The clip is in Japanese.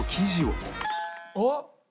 あっ！